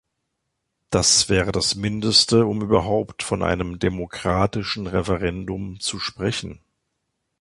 Das wäre das Mindeste, um überhaupt von einem demokratischen Referendum zu sprechen!